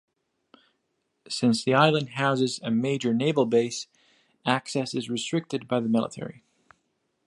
Since the island houses a major naval base, access is restricted by the military.